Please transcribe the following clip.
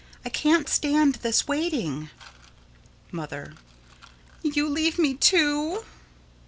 I can't stand this waiting. Mother: You leave me, too?